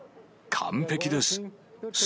完璧です。